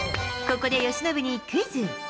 ここで由伸にクイズ。